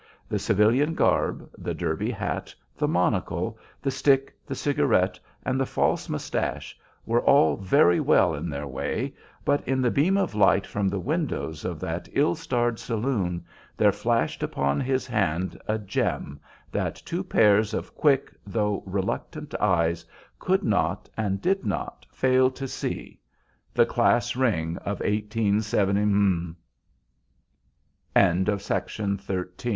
The civilian garb, the Derby hat, the monocle, the stick, the cigarette, and the false moustache were all very well in their way, but in the beam of light from the windows of that ill starred saloon there flashed upon his hand a gem that two pairs of quick, though reluctant eyes could not and did not fail to see, the class ring of 187 . CHAPTER V. A MIDNIGHT INSPECTION. There was a sense of const